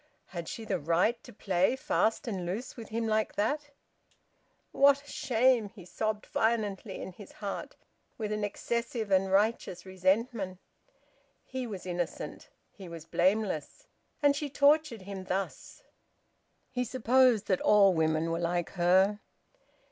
Had she the right to play fast and loose with him like that? "What a shame!" he sobbed violently in his heart, with an excessive and righteous resentment. He was innocent; he was blameless; and she tortured him thus! He supposed that all women were like her...